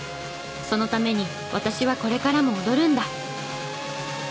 そのために私はこれからも踊るんだ！